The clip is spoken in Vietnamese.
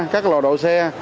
các lò độ xe